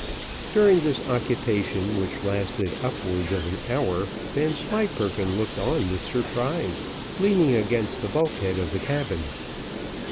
During this occupation, which lasted upwards of an hour, Vanslyperken looked on with surprise, leaning against the bulk head of the cabin.